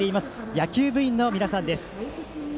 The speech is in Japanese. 野球部員の皆さんです。